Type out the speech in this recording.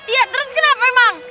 iya terus kenapa emang